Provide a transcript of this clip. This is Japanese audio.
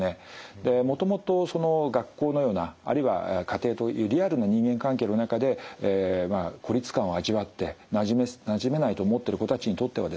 もともとその学校のようなあるいは家庭というリアルな人間関係の中で孤立感を味わってなじめないと思ってる子たちにとってはですね